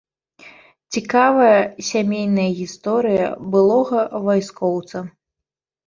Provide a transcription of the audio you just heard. Цікавая сямейная гісторыя былога вайскоўца.